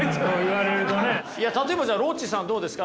例えばじゃあロッチさんどうですか？